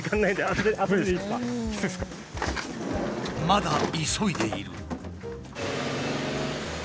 まだ急いでいる。